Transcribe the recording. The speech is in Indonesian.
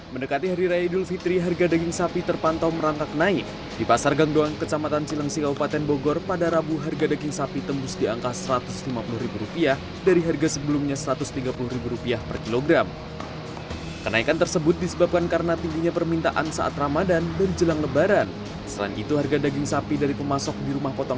pembeli pun mengaku keberatan dengan naiknya harga daging sapi